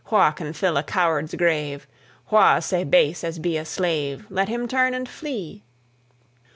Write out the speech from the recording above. Wha can fill a coward's grave? Wha sae base as be a slave? Let him turn and flee!